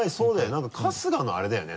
何か春日のあれだよね